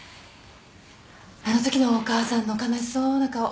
あのときのお母さんの悲しそうな顔